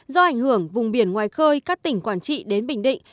do ảnh hưởng vùng biển ngoài khơi các tỉnh quảng trị đến bình định